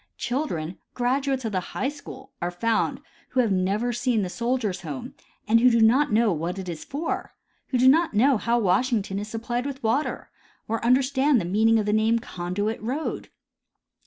Children, graduates of the high school, are found who have never seen the Soldiers' Home and do not know what it is for ; who do not know how Washington is supplied with water, or understand the meaning of the name Conduit road.